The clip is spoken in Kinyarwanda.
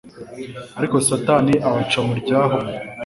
Ariko Satani abaca mu ryahumye